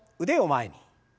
腕を前に。